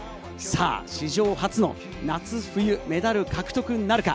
史上初の夏、冬メダル獲得なるか。